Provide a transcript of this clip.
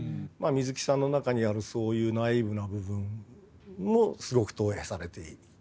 水木さんの中にあるそういうナイーブな部分もすごく投影されている。